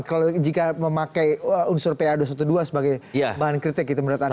kalau jika memakai unsur pa dua ratus dua belas sebagai bahan kritik gitu menurut anda